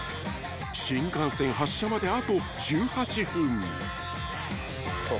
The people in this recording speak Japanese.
［新幹線発車まであと１８分］